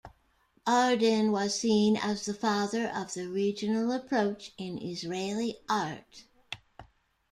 Ardon was seen as the father of the regional approach in Israeli art.